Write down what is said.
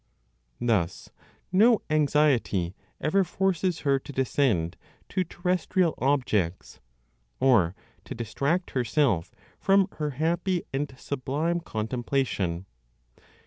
Thus no anxiety ever forces her to descend to terrestrial objects, or to distract herself from her happy and sublime contemplation.